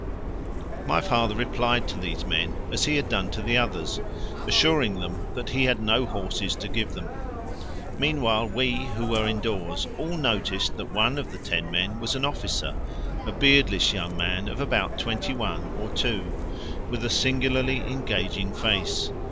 My father replied to these men as he had done to the others, assuring them that he had no horses to give them. Meanwhile we who were indoors all noticed that one of the ten men was an officer, a beardless young man of about twenty one or two, with a singularly engaging face.